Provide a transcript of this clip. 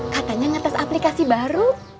katanya ngetes aplikasi baru